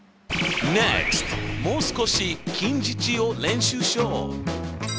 もう少し近似値を練習しよう。